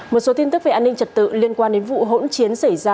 một số tin tức về an ninh trật tự liên quan đến vụ hỗn chiến xảy ra